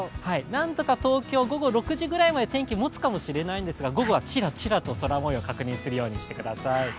なんとか東京、午後６時ぐらいまで天気はもつかもしれないんですが、午後はチラチラと空もよう確認するようにしてください。